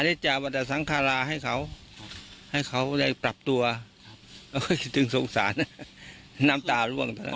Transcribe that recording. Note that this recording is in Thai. อณิจจาวัตถสังฆาลาให้เขาให้เขาได้ปรับตัวแล้วก็คิดถึงสงสารน้ำตาร่วงตอนนั้น